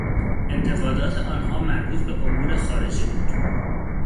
انتقادات آنها مربوط به امور خارجه بود.